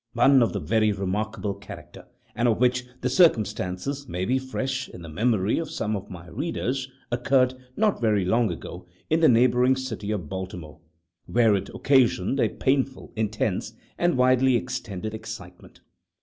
One of very remarkable character, and of which the circumstances may be fresh in the memory of some of my readers, occurred, not very long ago, in the neighboring city of Baltimore, where it occasioned a painful, intense, and widely extended excitement.